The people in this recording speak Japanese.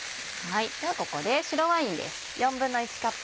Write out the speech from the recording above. ではここで白ワインです。